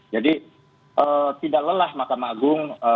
jadi tidak lelah mahkamah agung